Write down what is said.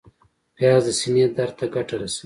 پیاز د سینې درد ته ګټه رسوي